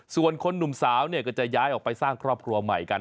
ส่วนคนหนุ่มสาวเนี่ยก็จะย้ายออกไปสร้างครอบครัวใหม่กัน